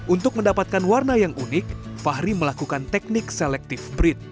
untuk mendapatkan warna yang unik fahri melakukan teknik selective brid